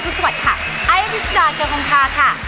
ขอต้อนรับคุณผู้ชมเข้าสู่รายการที่พร้อมจัดหนักทุกเรื่องที่แม่บ้านคุณรู้